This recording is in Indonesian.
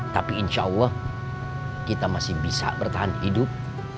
tapi insya allah kita masih bisa bertahan hidup